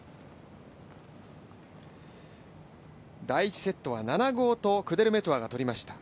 第１セットは７−５とクデルメトワが取りました。